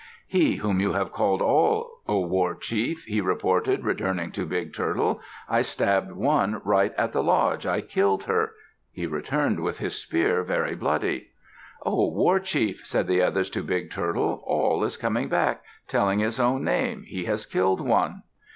"He whom you have called 'Awl,' O war chief," he reported, returning to Big Turtle. "I stabbed one right at the lodge; I killed her." He returned with his spear very bloody. "O war chief," said the others to Big Turtle. "Awl is coming back, telling his own name. He has killed one."